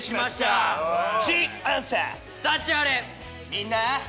みんな。